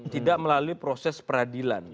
tidak melalui proses peradilan